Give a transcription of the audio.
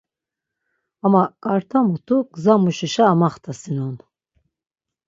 Ama ǩarta mutu gza muşişa amaxtasinon.